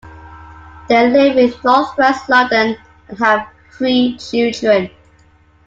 They live in northwest London and have three children.